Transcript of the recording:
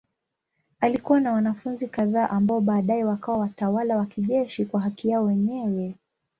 Alikuwa na wanafunzi kadhaa ambao baadaye wakawa watawala wa kijeshi kwa haki yao wenyewe.